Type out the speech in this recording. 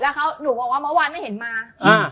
แล้วบอกว่ามะวานไม่เห็นมา